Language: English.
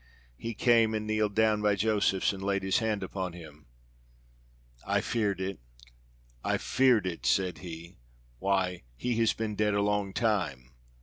He came and kneeled down by Josephs and laid his hand upon him. "I feared it! I feared it!" said he. "Why he has been dead a long time.